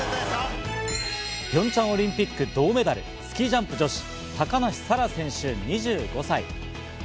ピョンチャンオリンピック銅メダル、スキージャンプ女子・高梨沙羅選手、２５歳。